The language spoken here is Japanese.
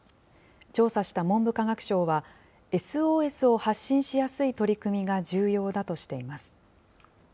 調査した文部科学省は、ＳＯＳを発信しやすい取り組みが重要だとしています。